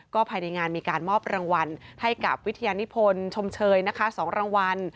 ภายในงานมีการมอบรางวัลให้กับวิทยานิพลชมเชยนะคะ๒รางวัล